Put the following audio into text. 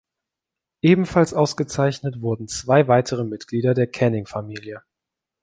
Ebenfalls ausgezeichnet wurden zwei weitere Mitglieder der Canning-Familie.